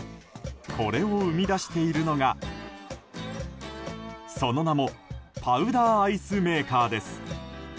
これを生み出しているのがその名もパウダーアイスメーカーです。